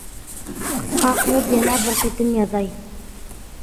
قىسقا قىلىپ يەنە بىر قېتىم يازاي.